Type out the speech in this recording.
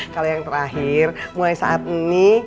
kalau yang terakhir mulai saat ini